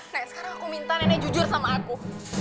kayak sekarang aku minta nenek jujur sama aku